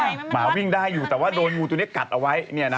หมาวิ่งได้อยู่แต่ว่าโดนงูตัวนี้กัดเอาไว้